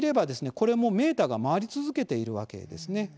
これもメーターが回り続けているわけですね。